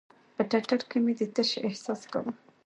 په ټټر کښې مې د تشې احساس کاوه.